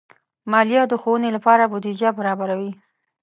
مالیه د ښوونې لپاره بودیجه برابروي.